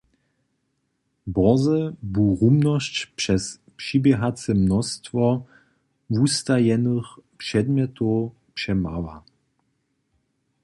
Bórze bu rumnosć přez přiběrace mnóstwo wustajenych předmjetow přemała.